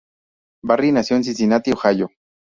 Barry nació en Cincinnati, Ohio.